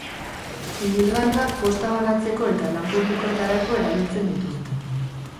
Ibilgailuak posta banatzeko eta lan publikoetarako erabiltzen dituzte.